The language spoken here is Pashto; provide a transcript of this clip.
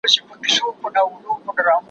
دا نور وزېږي، زلمي سي، بیا زاړه سي